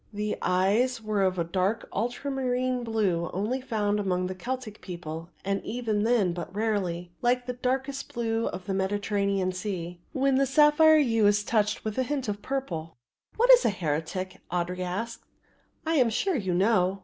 The eyes were of the dark ultramarine blue only found among the Keltic peoples and even then but rarely, like the darkest blue of the Mediterranean Sea, when the sapphire hue is touched with a hint of purple. "What is a heretic?" Audry asked; "I am sure you know."